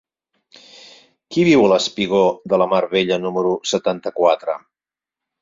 Qui viu al espigó de la Mar Bella número setanta-quatre?